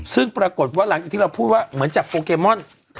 ซึ่งปรากฏว่าหลังจากที่เราพูดว่าเหมือนจับโปเกมอน